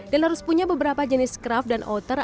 dan harus punya beberapa jenis skraf dan outer